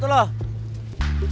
tidak salah pak papayete